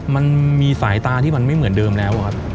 มันมีสายตาที่มันไม่เหมือนเดิมแล้วครับ